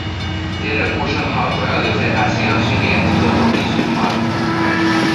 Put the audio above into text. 接着顾盛号主要留在大西洋训练及作中立巡航。